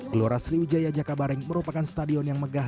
gloral sriwijaya jakabareng merupakan stadion yang megah